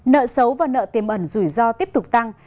nợ xấu và nợ tiềm ẩn rủi ro tiếp tục tăng